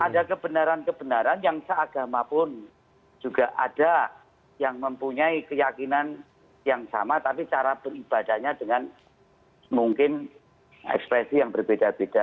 ada kebenaran kebenaran yang seagama pun juga ada yang mempunyai keyakinan yang sama tapi cara beribadahnya dengan mungkin ekspresi yang berbeda beda